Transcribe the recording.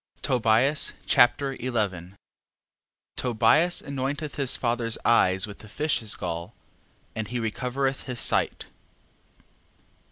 Tobias Chapter 11 Tobias anointeth his father's eyes with the fish's gall, and he recovereth his sight.